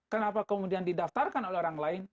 kenapa kemudian didaftarkan oleh orang lain